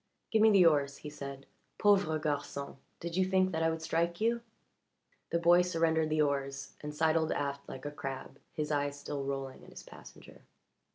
"Give me the oars," he said. "Pauvre garçon did you think that I would strike you?" The boy surrendered the oars and sidled aft like a crab, his eyes still rolling at his passenger.